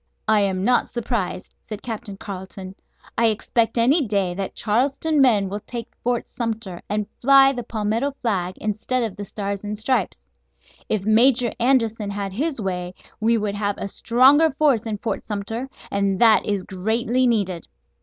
"I am not surprised," said Captain Carleton. "I expect any day that Charleston men will take Fort Sumter, and fly the palmetto flag, instead of the Stars and Stripes. If Major Anderson had his way we would have a stronger force in Fort Sumter, and that is greatly needed."